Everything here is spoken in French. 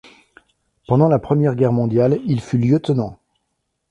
Pendant la Première Guerre mondiale, il fut lieutenant.